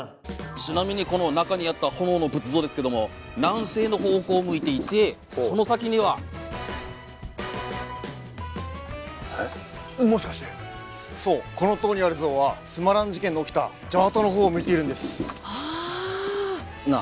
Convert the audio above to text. ちなみにこの中にあった炎の仏像ですけども南西の方向を向いていてその先にはえっもしかしてそうこの塔にある像はスマラン事件が起きたジャワ島の方を向いているんですああ！